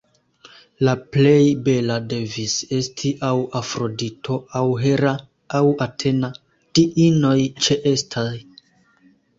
La plej bela devis esti aŭ Afrodito aŭ Hera aŭ Atena, diinoj ĉeestaj.